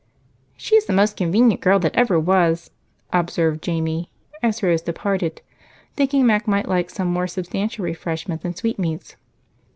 "She is the most convenient girl that ever was," observed Jamie as Rose departed, thinking Mac might like some more substantial refreshment than sweetmeats.